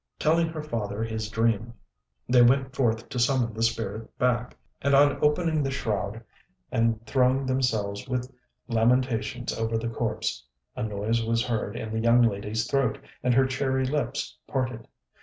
Telling her father his dream, they went forth to summon the spirit back; and on opening the shroud, and throwing themselves with lamentations over the corpse, a noise was heard in the young lady's throat, and her cherry lips parted.